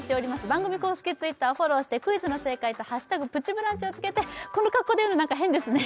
番組公式Ｔｗｉｔｔｅｒをフォローしてクイズの正解と「＃プチブランチ」をつけてこの格好で言うの何か変ですね